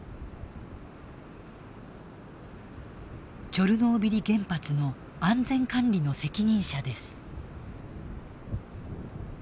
チョルノービリ原発の安全管理の責任者です。